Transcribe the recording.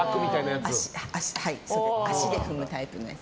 足で踏むタイプのやつ。